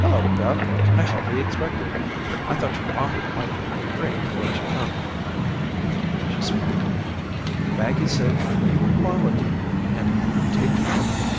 "Hello, Beth. I hardly expected you. I thought your mamma might be 'fraid to let you come." She smiled. "Maggie said you were 'quality,' and would take care of me."